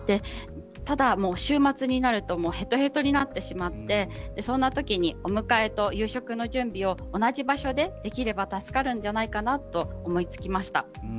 ただ週末になるとへとへとになってしまってそんなときにお迎えと夕食の準備を同じ場所でできれば助かるんじゃないかなと思いつきました。